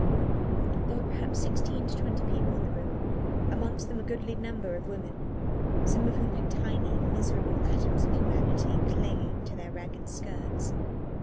There were perhaps sixteen to twenty people in the room amongst them a goodly number of women, some of whom had tiny, miserable atoms of humanity clinging to their ragged skirts.